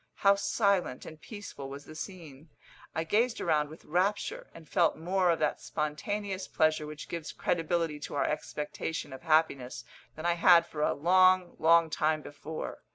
How silent and peaceful was the scene! I gazed around with rapture, and felt more of that spontaneous pleasure which gives credibility to our expectation of happiness than I had for a long, long time before.